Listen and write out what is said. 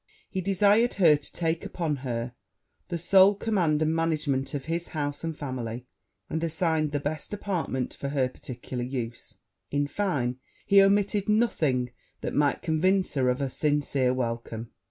He desired her to take upon her the sole command and management of his house and family, and assigned the best apartment for her particular use: in fine, he omitted nothing that might convince her of a sincere welcome.